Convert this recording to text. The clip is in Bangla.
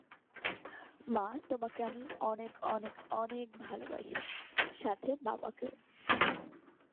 এরপর বংশপরামপণায় জমিদার বংশধররা এখানে জমিদারী পরিচালনা করতে থাকেন।